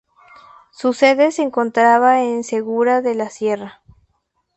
Su sede se encontraba en Segura de la Sierra.